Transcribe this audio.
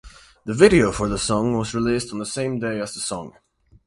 The video for the song was released on the same day as the song.